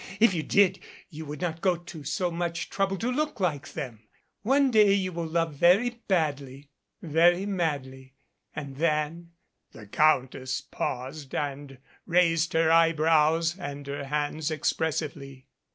If you did you would not go to so much trouble to look like them. One day you will love very badly very madly. And then " the Countess paused and raised her eyebrows and her hands express ively.